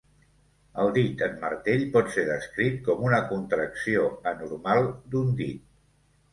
El dit en martell pot ser descrit com una contracció anormal d'un dit.